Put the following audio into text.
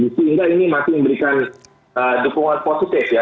sehingga ini masih memberikan dukungan positif ya